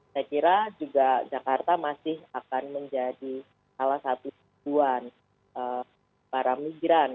saya kira juga jakarta masih akan menjadi salah satu tujuan para migran